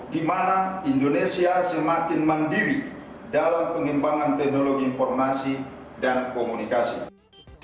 karena indonesia semakin mandiri dalam pengimbangan teknologi informasi dan komunikasi